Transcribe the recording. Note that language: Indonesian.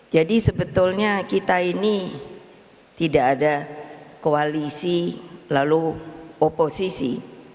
jadi sebetulnya kita ini tidak ada koalisi lalu oposisi